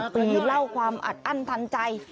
ปีเล่าความอัดอันตันใจ